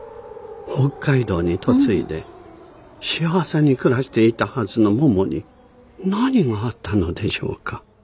北海道に嫁いで幸せに暮らしていたはずのももに何があったのでしょうか？